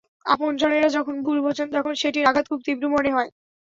আপনজনেরা যখন ভুল বোঝেন, তখন সেটির আঘাত খুব তীব্র মনে হয়।